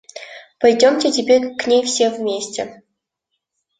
Пойдемте теперь к ней все вместе.